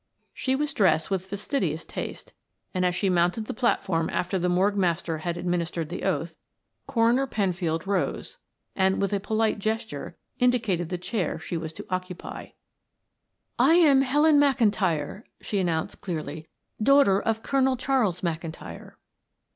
She was dressed with fastidious taste, and as she mounted the platform after the morgue master had administered the oath, Coroner Penfield rose and, with a polite gesture, indicated the chair she was to occupy. "I am Helen McIntyre," she announced clearly. "Daughter of Colonel Charles McIntyre."